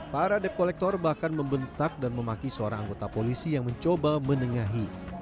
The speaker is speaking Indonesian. para dep kolektor bahkan membentak dan memaki seorang anggota polisi yang mencoba menengahi